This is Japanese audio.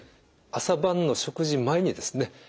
朝晩の食事前にですね